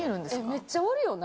めっちゃおるよな。